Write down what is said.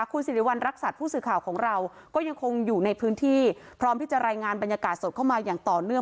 คุณสิริวัณรักษัตริย์ผู้สื่อข่าวของเราก็ยังคงอยู่ในพื้นที่พร้อมที่จะรายงานบรรยากาศสดเข้ามาอย่างต่อเนื่อง